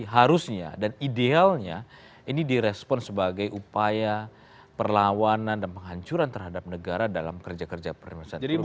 harusnya dan idealnya ini direspon sebagai upaya perlawanan dan penghancuran terhadap negara dalam kerja kerja pemerintahan korupsi